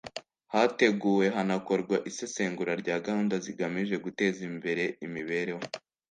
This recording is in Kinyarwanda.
hateguwe hanakorwa isesengura rya gahunda zigamije guteza imbere imibereho